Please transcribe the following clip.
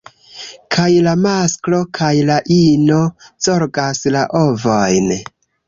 Kaj la masklo kaj la ino zorgas la ovojn.